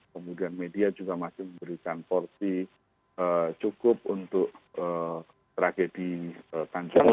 kemudian media juga masih memberikan porsi cukup untuk tragedi tanjung